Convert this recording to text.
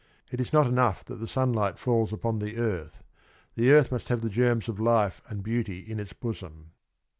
It is not enough that the sunlight falls upon the earth; the earth must have the germs of life and beauty in its bosom.